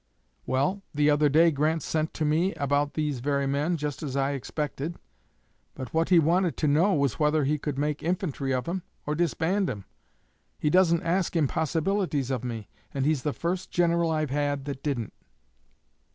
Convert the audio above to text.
Well, the other day Grant sent to me about these very men, just as I expected; but what he wanted to know was whether he could make infantry of 'em or disband 'em. He doesn't ask impossibilities of me, and he's the first General I've had that didn't."